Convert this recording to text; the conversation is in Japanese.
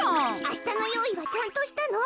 あしたのよういはちゃんとしたの？